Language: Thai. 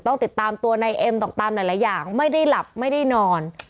ต้องติดตามตัวนายเอ็มต่อตามหลายอย่างไม่ได้หลับไม่ได้นอน